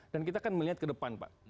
dan kita kan melihat ke depan pak